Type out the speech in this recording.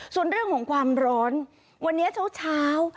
ส่วนเรื่องของความร้อนวันนี้เช้า